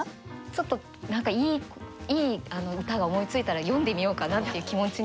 ちょっと何かいい歌が思いついたら詠んでみようかなっていう気持ちに。